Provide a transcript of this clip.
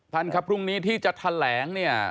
ท่านครับพรุ่งนี้ที่จะแถลงเนี่ย